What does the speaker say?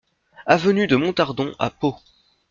Avenue de Montardon à Pau